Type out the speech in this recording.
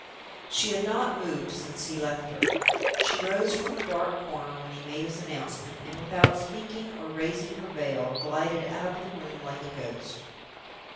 She had not moved since he left her. She rose from her dark corner when he made his announcement, and, without speaking or raising her veil, glided out of the room like a ghost.